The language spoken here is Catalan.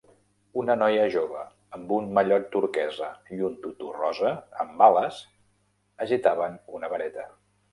Una noia jove amb un mallot turquesa i un tutú rosa amb ales agitaven una vareta.